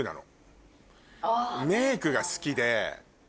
メイクが好きで。